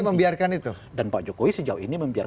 membiarkan itu dan pak jokowi sejauh ini membiarkan